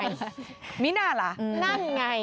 นั่งไงมินาล่ะนั่งไง